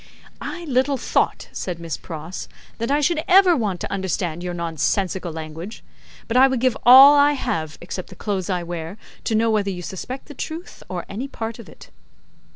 "I little thought," said Miss Pross, "that I should ever want to understand your nonsensical language; but I would give all I have, except the clothes I wear, to know whether you suspect the truth, or any part of it."